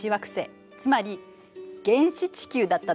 つまり原始地球だったの。